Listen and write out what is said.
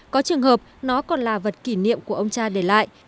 có trường hợp nó còn là vật kỷ niệm của ông cha để lại